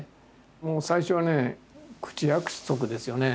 もう最初はね口約束ですよね。